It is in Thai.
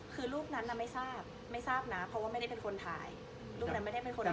อ๋อคือรูปนั้นไม่ทราบนะเพราะว่าไม่ได้เป็นคนถ่าย